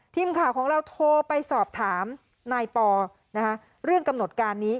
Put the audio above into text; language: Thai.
ทีมข่าวของเราโทรไปสอบถามนายปอนะคะเรื่องกำหนดการนี้